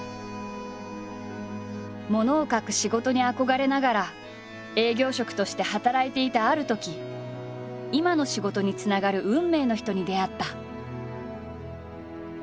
ものを書く仕事に憧れながら営業職として働いていたあるとき今の仕事につながる運命の人に出会った。